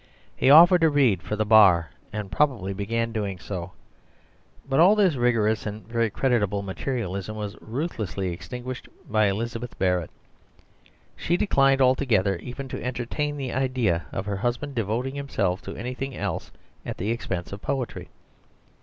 He offered to read for the Bar, and probably began doing so. But all this vigorous and very creditable materialism was ruthlessly extinguished by Elizabeth Barrett. She declined altogether even to entertain the idea of her husband devoting himself to anything else at the expense of poetry.